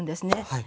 はい。